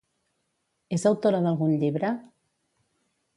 És autora d'algun llibre?